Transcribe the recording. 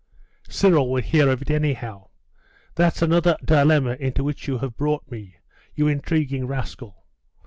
'Cyril will hear of it anyhow: that's another dilemma into which you have brought me, you intriguing rascal!